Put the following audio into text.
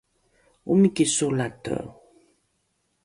omiki solate